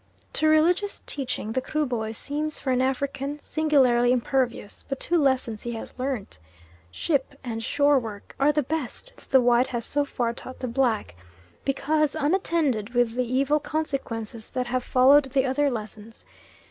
To religious teaching the Kruboy seems for an African singularly impervious, but the two lessons he has learnt ship and shore work are the best that the white has so far taught the black, because unattended with the evil consequences that have followed the other lessons.